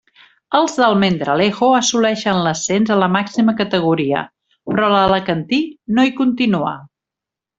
Els d'Almendralejo assoleixen l'ascens a la màxima categoria, però l'alacantí no hi continua.